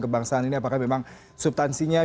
kebangsaan ini apakah memang subtansinya